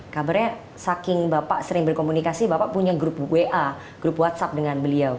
kabarnya saking bapak sering berkomunikasi bapak punya grup wa grup whatsapp dengan beliau